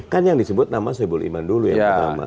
kan yang disebut nama soebul iman dulu yang pertama